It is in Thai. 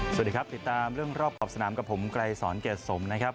สวัสดีครับติดตามเรื่องรอบขอบสนามกับผมไกรสอนเกรดสมนะครับ